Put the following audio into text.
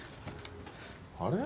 あれ？